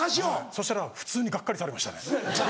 そしたら普通にがっかりされましたね。